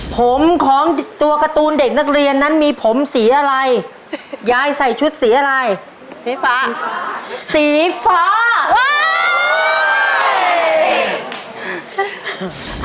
ผมของตัวการ์ตูนเด็กนักเรียนนั้นมีผมสีอะไรยายใส่ชุดสีอะไรสีฟ้าสีฟ้า